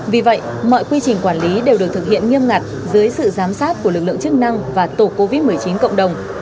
vì vậy mọi quy trình quản lý đều được thực hiện nghiêm ngặt dưới sự giám sát của lực lượng chức năng và tổ covid một mươi chín cộng đồng